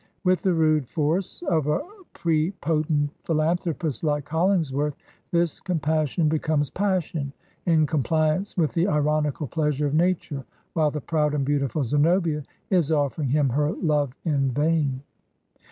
With the rude force of a prepotent philanthropist like Hollingsworth this compassion be comes passion, in compliance with the ironical pleasure of nature, while the proud and beautiful Zenobia is offering him her love in vain.